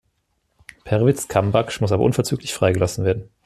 Perwiz Kambakhsh muss aber unverzüglich freigelassen werden.